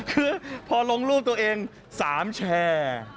คือพอลงรูปตัวเอง๓แชร์